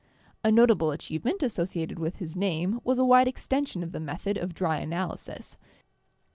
A notable achievement as sociated with his name was a wide extension of the method of dry analysis.